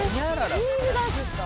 えヒールダンスですか。